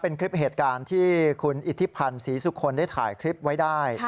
เป็นคลิปเหตุการณ์ที่คุณอิทธิพันธ์ศรีสุคลได้ถ่ายคลิปไว้ได้